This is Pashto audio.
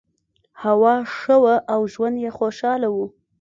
هوا ښه وه او ژوند یې خوشحاله و.